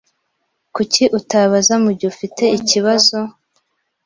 Kuki utabaza mugihe ufite ikibazo?